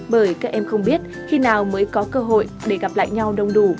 bởi các em không biết khi nào mới có cơ hội để gặp lại nhau đông đủ